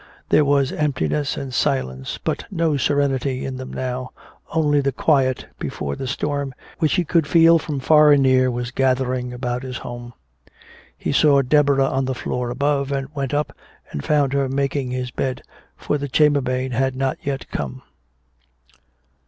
There was emptiness and silence but no serenity in them now, only the quiet before the storm which he could feel from far and near was gathering about his home. He heard Deborah on the floor above, and went up and found her making his bed, for the chambermaid had not yet come.